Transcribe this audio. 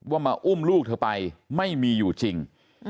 มาอุ้มลูกเธอไปไม่มีอยู่จริง